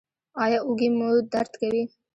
ایا اوږې مو درد کوي؟